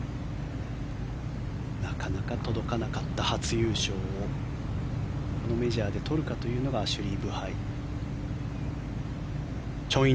なかなか届かなかった初優勝をこのメジャーで取るかというのがアシュリー・ブハイ。